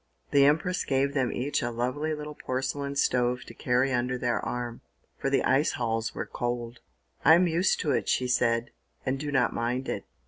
The Empress gave them each a lovely little porcelain stove to carry under their arm, for the ice halls were cold. "I am used to it," she said, "and do not mind it."